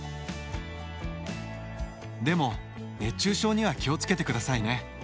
でも熱中症には気を付けてくださいね。